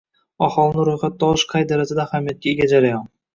Aholini ro‘yxatga olish qay darajada ahamiyatga ega jarayon?